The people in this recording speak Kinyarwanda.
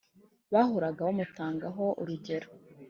bahoraga bamutangaho urugero,